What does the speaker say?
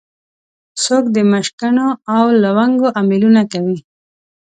څوک د مشکڼو او لونګو امېلونه کوي